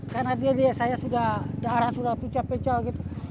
karena dia lihat saya sudah darah sudah pecah pecah gitu